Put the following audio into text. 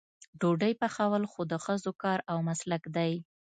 ډوډۍ پخول خو د ښځو کار او مسلک دی.